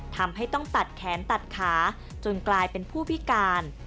ทำให้ต้องตัดแขนตัดขาจนกลายเป็นผู้พิการ